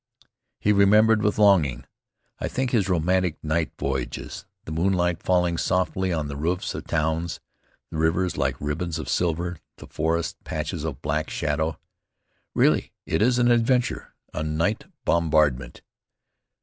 He remembered with longing, I think, his romantic night voyages, the moonlight falling softly on the roofs of towns, the rivers like ribbons of silver, the forests patches of black shadow. "Really, it is an adventure, a night bombardment."